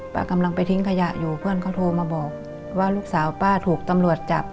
กำลังไปทิ้งขยะอยู่เพื่อนเขาโทรมาบอกว่าลูกสาวป้าถูกตำรวจจับ